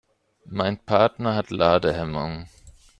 Mein Partner hat Ladehemmungen.